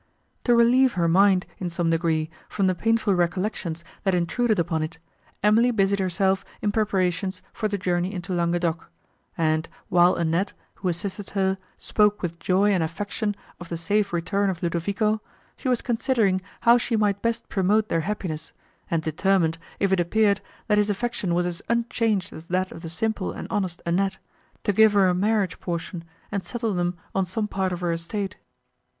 To relieve her mind, in some degree, from the painful recollections, that intruded upon it, Emily busied herself in preparations for the journey into Languedoc, and, while Annette, who assisted her, spoke with joy and affection of the safe return of Ludovico, she was considering how she might best promote their happiness, and determined, if it appeared, that his affection was as unchanged as that of the simple and honest Annette, to give her a marriage portion, and settle them on some part of her estate.